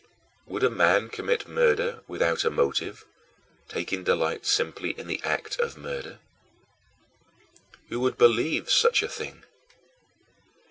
Would a man commit murder without a motive, taking delight simply in the act of murder? Who would believe such a thing?